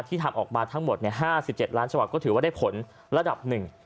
ทำออกมาทั้งหมด๕๗ล้านฉบับก็ถือว่าได้ผลระดับหนึ่ง